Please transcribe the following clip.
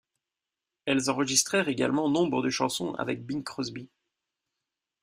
Elles enregistrèrent également nombre de chansons avec Bing Crosby.